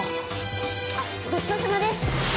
あっごちそうさまです！